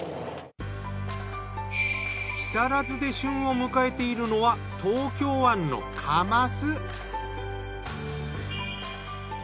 木更津で旬を迎えているのは東京湾のカマス。